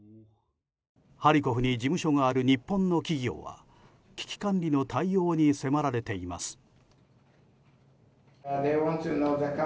ハリコフに事務所がある日本の企業は危機管理の対応に迫られています。